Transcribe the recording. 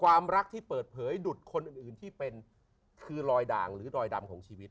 ความรักที่เปิดเผยดุดคนอื่นที่เป็นคือรอยด่างหรือรอยดำของชีวิต